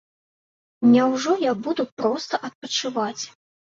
Няўжо я буду проста адпачываць?